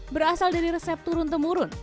berasal dari resep turun temurun